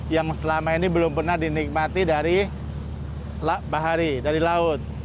yang selama ini belum pernah dinikmati dari bahari dari laut